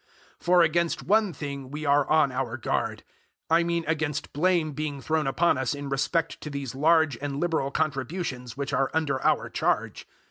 008:020 For against one thing we are on our guard I mean against blame being thrown upon us in respect to these large and liberal contributions which are under our charge.